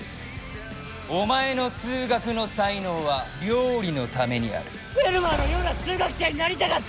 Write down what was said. お前の数学の才能は料理のためにあるフェルマーのような数学者になりたかった！